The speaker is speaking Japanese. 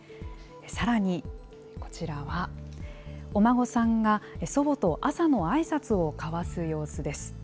さらにこちらは、お孫さんが祖母と朝のあいさつを交わす様子です。